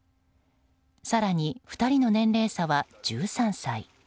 更に、２人の年齢差は１３歳。